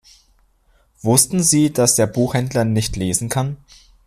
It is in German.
Wussten Sie, dass der Buchhändler nicht lesen kann?